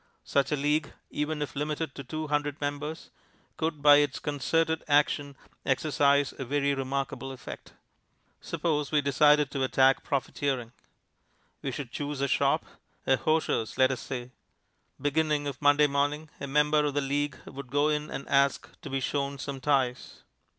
Such a League, even if limited to two hundred members, could by its concerted action exercise a very remarkable effect. Suppose we decided to attack profiteering. We should choose our shop a hosier's, let us say. Beginning on Monday morning, a member of the League would go in and ask to be shown some ties.